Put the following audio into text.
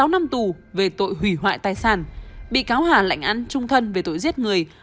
sáu năm tù về tội hủy hoại tài sản bị cáo hà lãnh án trung thân về tội giết người